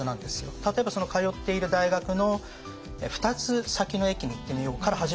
例えば通っている大学の２つ先の駅に行ってみようから始めても全然いいと思っていて。